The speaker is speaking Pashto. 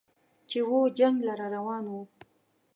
چې و جنګ لره روان و